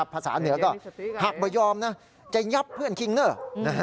ภาษาเหนือก็หากไม่ยอมนะจะยับเพื่อนคิงเนอร์